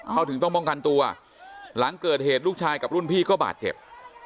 เขาถึงต้องป้องกันตัวหลังเกิดเหตุลูกชายกับรุ่นพี่ก็บาดเจ็บ